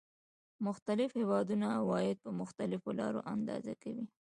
مختلف هېوادونه عواید په مختلفو لارو اندازه کوي